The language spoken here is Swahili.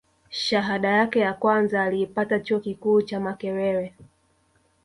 shahada yake ya kwanza aliipata chuo kikuu cha makerere